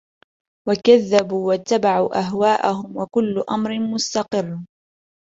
وكذبوا واتبعوا أهواءهم وكل أمر مستقر